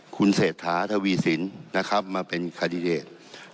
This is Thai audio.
คุณเศษฐาธวีศิลป์มาเป็นคาริเดต